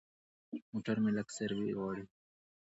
موټر مې لږ سروي غواړي.